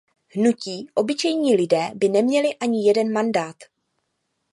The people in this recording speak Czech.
Hnutí Obyčejní lidé by neměli ani jeden mandát.